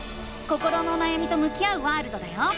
心のおなやみと向き合うワールドだよ！